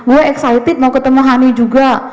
we excited mau ketemu honey juga